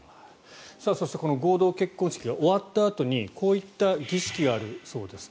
そしてこの合同結婚式が終わったあとにこういった儀式があるそうです。